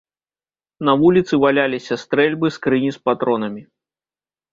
На вуліцы валяліся стрэльбы, скрыні з патронамі.